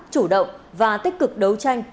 chủ động và tích cực đấu tranh